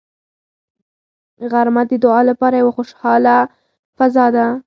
غرمه د دعا لپاره یوه خوشاله فضا ده